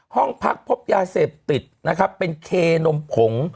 ห้องพักพบยาเสพติดนะครับเป็นเคนมผง